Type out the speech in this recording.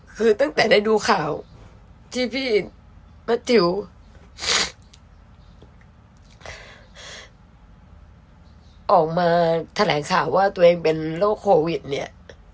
คือตั้งแต่ได้ดูข่าวที่พี่ป้าติ๋วออกมาแถลงข่าวว่าตัวเองเป็นโรคโควิดเนี่ย